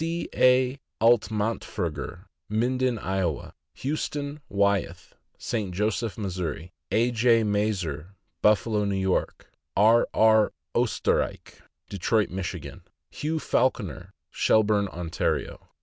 A. Altmantferger, Minden, Iowa; Huston Wyeth, St. Joseph, Mo. ; A. J. Maerz, Buffalo, N. Y.; R. R. Oesterrich, Detroit, Mich.; Hugh Falconer, Shelburne, Ontario.